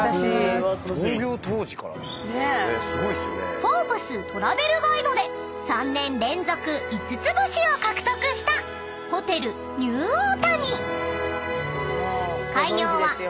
［『フォーブス・トラベルガイド』で３年連続５つ星を獲得したホテルニューオータニ］